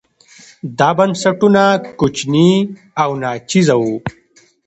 دا بنسټونه کوچني او ناچیزه وو.